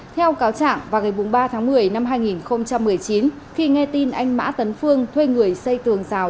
theo cáo trạng vào ngày bốn mươi ba tháng một mươi năm hai nghìn một mươi chín khi nghe tin anh mã tấn phương thuê người xây tường rào